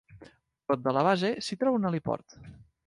Prop de la base s'hi troba un heliport.